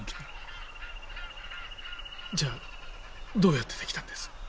じゃあどうやって出来たんです？